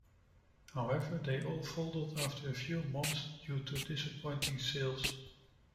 However they all folded after a few months due to disappointing sales.